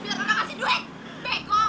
bila kakak kasih duit bego